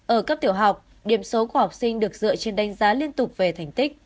ở cấp tiểu học điểm số của học sinh được dựa trên đánh giá liên tục về thành tích